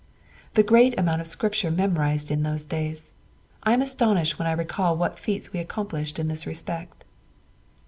The great amount of Scripture memorized in those days. I am astonished when I recall what feats we accomplished in this respect.